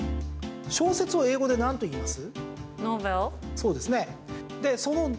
小説を英語で何と言います？